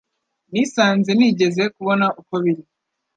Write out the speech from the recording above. nisanze nigeze kubona uko biri